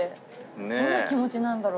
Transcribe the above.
どんな気持ちなんだろう？